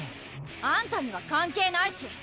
あんたには関係ないし！